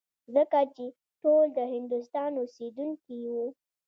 ځکه چې ټول د هندوستان اوسېدونکي وو.